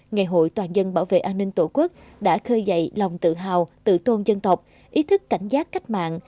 ngày hội toàn dân bảo vệ an ninh tổ quốc đã khơi dậy lòng tự hào tự tôn dân tộc ý thức cảnh giác cách mạng